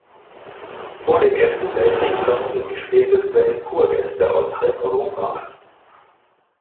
Vor dem Ersten Weltkrieg lockten die Schwefelquellen Kurgäste aus halb Europa an.